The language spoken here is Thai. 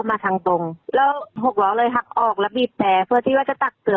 อ้าวเขาเลยบอกว่าดีไม่เยียดตาย